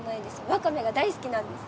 わかめが大好きなんです。